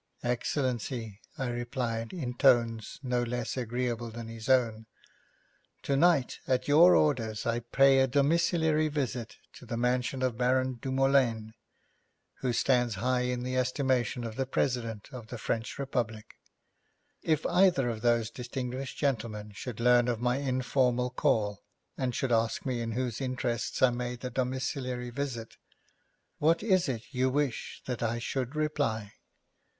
'Excellency,' I replied in tones no less agreeable than his own, 'tonight at your orders I pay a domiciliary visit to the mansion of Baron Dumoulaine, who stands high in the estimation of the President of the French Republic. If either of those distinguished gentlemen should learn of my informal call and should ask me in whose interests I made the domiciliary visit, what is it you wish that I should reply?'